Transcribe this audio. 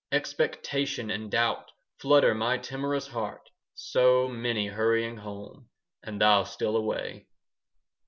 Expectation and doubt 5 Flutter my timorous heart. So many hurrying home— And thou still away.